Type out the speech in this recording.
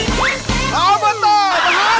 ออบอตต่อมหาสนุก